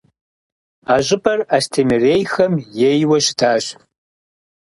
А щӏыпӏэр Астемырейхэм ейуэ щытащ.